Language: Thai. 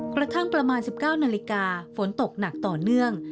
กระทั่งประมาณ๑๙นาฬิกาฝนตกหนักต่อเนื่อง